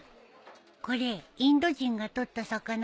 これインド人が取った魚かなあ。